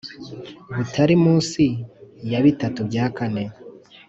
butari munsi ya bitatu bya kane